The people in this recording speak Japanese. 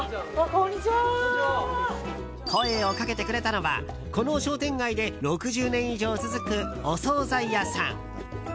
声をかけてくれたのはこの商店街で６０年以上続くお総菜屋さん。